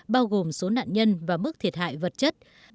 bao gồm số nạn nhân và mức thiệt hại vật chất